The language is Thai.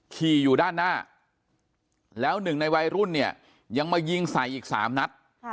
ขี่อยู่ด้านหน้าแล้วหนึ่งในวัยรุ่นเนี่ยยังมายิงใส่อีก๓นัด